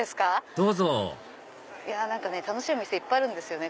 どうぞ何かね楽しいお店いっぱいあるんですよね